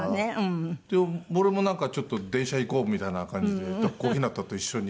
俺もなんかちょっと電車で行こうみたいな感じで小日向と一緒に。